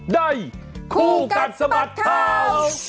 ได้คู่กัดสบัดคราว